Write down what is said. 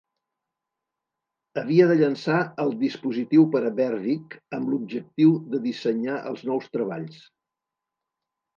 Havia de "llançar el dispositiu per a Berwick" amb l'objectiu de dissenyar els nous treballs.